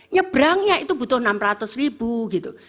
nyebrangnya itu butuh enam ratus ribu gitu